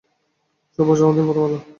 শুভ জন্মদিন প্রথম আলো।